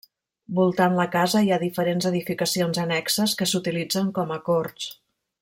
Voltant la casa hi ha diferents edificacions annexes que s'utilitzen com a corts.